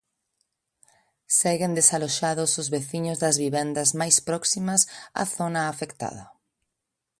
Seguen desaloxados os veciños das vivendas máis próximas á zona afectada.